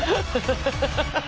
ハハハハハ！